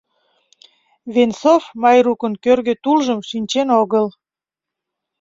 Венцов Майрукын кӧргӧ тулжым шинчен огыл.